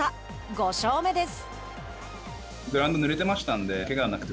５勝目です。